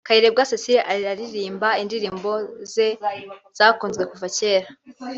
Kayirebwa Cecile araririmba indirimbo ze zakunzwe kuva kera